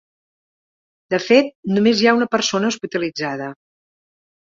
De fet, només hi ha una persona hospitalitzada.